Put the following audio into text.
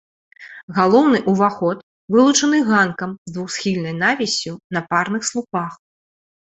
Галоўны ўваход вылучаны ганкам з двухсхільнай навіссю на парных слупах.